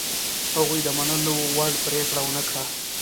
هغوی د منلو وړ پرېکړه ونه کړه.